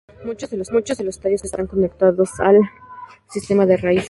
Muchos de los tallos están conectados al sistema de raíces.